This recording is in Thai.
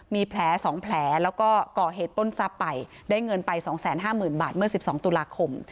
มีแผลสองแผลแล้วก็ก่อเหตุป้นทรัพย์ไปได้เงินไปสองแสนห้าหมื่นบาทเมื่อสิบสองตุลาคม